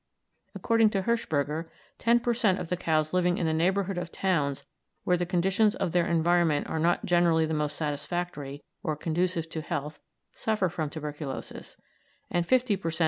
According to Hirschberger, 10 per cent. of the cows living in the neighbourhood of towns where the conditions of their environment are not generally the most satisfactory or conducive to health suffer from tuberculosis, and 50 per cent.